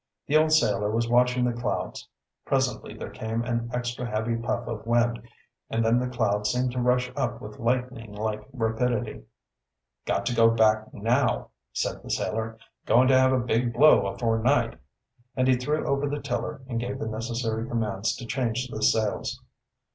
The old sailor was watching the clouds. Presently there came an extra heavy puff of wind, and then the clouds seemed to rush up with lightning like rapidity. "Got to go back, now," said the sailor. "Going to have a big blow afore night." And he threw over the tiller and gave the necessary commands to change the sails.